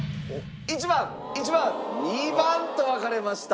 １番１番２番と分かれました。